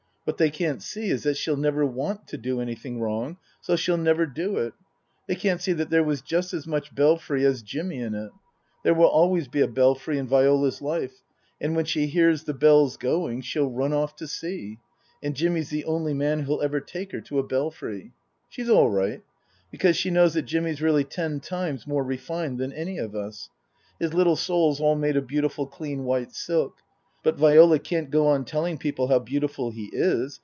What they can't see is that she'll never want to do anything wrong, so she'll never do it. They can't see that there was just as much Belfry as Jimmy in it. There always will be a Belfry in Viola's life, and when she hears the bells going she'll run off to see. And Jimmy's the only man who'll ever take her to a Belfry. " She's all right. Because she knows that Jimmy's really ten times more refined than any of us. His little soul's all made of beautiful clean white silk. But Viola can't go on telling people how beautiful he is.